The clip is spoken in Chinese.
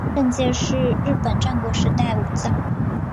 内藤胜介是日本战国时代武将。